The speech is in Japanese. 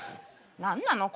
何なの？